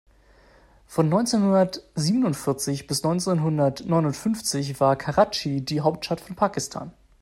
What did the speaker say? Von neunzehn-hundert-siebundvierzig bis neunzehn-hundert-neunundfünfzig war Karatschi die Hauptstadt von Pakistan.